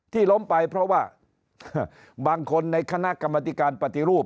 ล้มไปเพราะว่าบางคนในคณะกรรมติการปฏิรูป